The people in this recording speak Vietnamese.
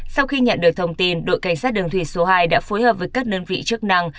sau khi nhận được thông tin đội cảnh sát đường thủy số hai đã phối hợp với các đơn vị chức năng